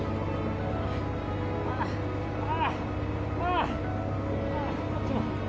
あっこっちも。